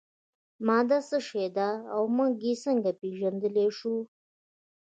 ماده څه شی ده او موږ یې څنګه پیژندلی شو